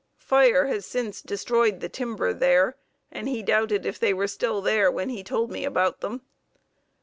Fire has since destroyed the timber there and he doubted if they were still there when he told me about them.